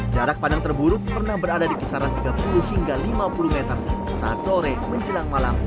jarak pandang terburuk pernah berada di kisaran tiga puluh hingga lima puluh meter saat sore menjelang malam